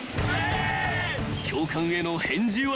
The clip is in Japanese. ［教官への返事は］